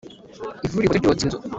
Ivu rihoze ryotsa inzu.